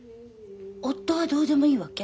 夫はどうでもいいわけ？